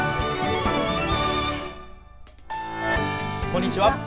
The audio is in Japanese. こんにちは。